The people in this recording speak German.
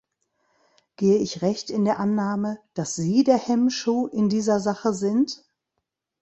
Gehe ich recht in der Annahme, dass sie der Hemmschuh in dieser Sache sind?